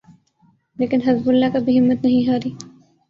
لیکن Hezbollah کبھی ہمت نہیں ہاری۔